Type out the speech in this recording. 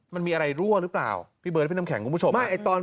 มันมีอะไรรั่วหรือเปล่าพี่เบิร์ดพี่น้ำแข็งคุณผู้ชม